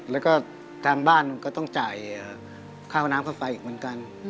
แล้วก็ทางบ้านก็ต้องจ่ายค่าน้ำค่าไฟอีกเหมือนกัน